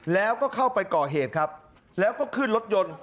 แล้วก็เข้าไปก่อเหตุครับแล้วก็ขึ้นรถยนต์